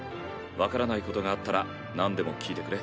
分からないことがあったらなんでも聞いてくれ。